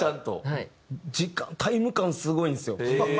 タイム感すごいんですよ！